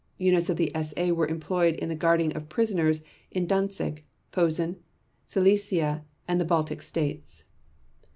Units of the SA were employed in the guarding of prisoners in Danzig, Posen, Silesia, and the Baltic States.